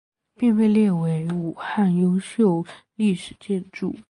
并被列为武汉优秀历史建筑。